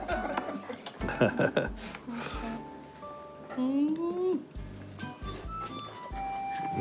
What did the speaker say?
うん！